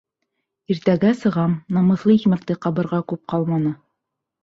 Иртәгә сығам, намыҫлы икмәкте ҡабырға күп ҡалманы.